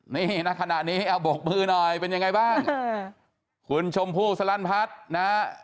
นี่ณขณะนี้เอาบกมือหน่อยเป็นยังไงบ้างคุณชมพู่สลันพัฒน์นะฮะ